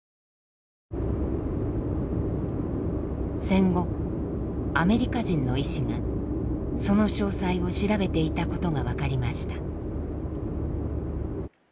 戦後アメリカ人の医師がその詳細を調べていたことが分かりました。